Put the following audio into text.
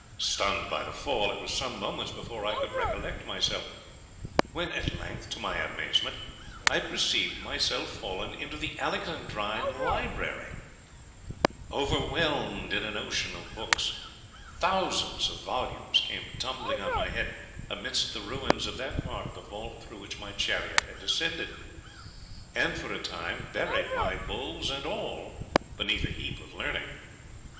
Stunned by the fall, it was some moments before I could recollect myself, when at length, to my amazement, I perceived myself fallen into the Alexandrine Library, overwhelmed in an ocean of books; thousands of volumes came tumbling on my head amidst the ruins of that part of the vault through which my chariot had descended, and for a time buried my bulls and all beneath a heap of learning.